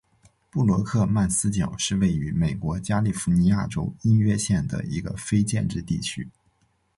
布罗克曼斯角是位于美国加利福尼亚州因约县的一个非建制地区。